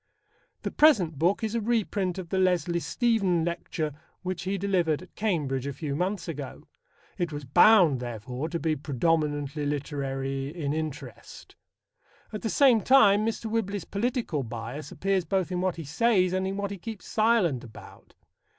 The present book is a reprint of the Leslie Stephen lecture which he delivered at Cambridge a few months ago. It was bound, therefore, to be predominantly literary in interest. At the same time, Mr. Whibley's political bias appears both in what he says and in what he keeps silent about.